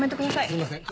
すいません